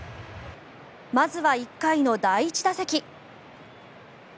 まずは１回の第１打席。